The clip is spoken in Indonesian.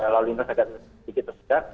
lalu lintas agak sedikit tersedak